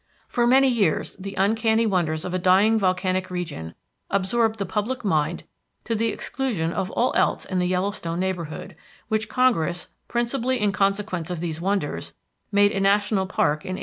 For many years the uncanny wonders of a dying volcanic region absorbed the public mind to the exclusion of all else in the Yellowstone neighborhood, which Congress, principally in consequence of these wonders, made a national park in 1872.